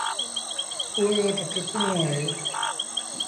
اُئي وٽ ٽپڻو اهي۔